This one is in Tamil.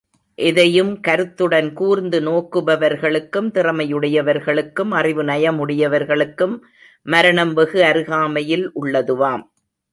எதையும் கருத்துடன் கூர்ந்து நோக்குபவர்களுக்கும், திறமையுடையவர்களுக்கும், அறிவு நயம் உடையவர்களுக்கும், மரணம் வெகு அருகாமையில் உள்ளதுவாம்.